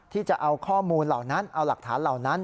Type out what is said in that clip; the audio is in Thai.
ที่จะเอาข้อมูลเหล่านั้นเอาหลักฐานเหล่านั้น